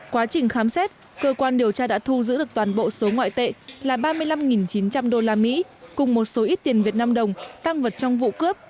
quá trình khám xét cơ quan điều tra đã thu giữ được toàn bộ số ngoại tệ là ba mươi năm chín trăm linh usd cùng một số ít tiền việt nam đồng tăng vật trong vụ cướp